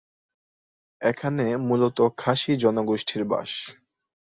এখানে মূলত খাসি জনগোষ্ঠীর বাস।